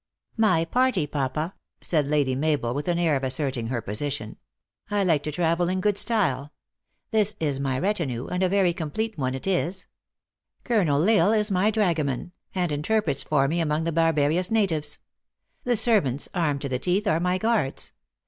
" My party, papa," said Lady Mabel, with an air of asserting her position. " 1 like to travel in good style. This is my retinue, and a very complete one it is. Colonel L Isle is my dragoman, and interprets for me among the barbarous natives. The servants, armed to the teeth, are my guards.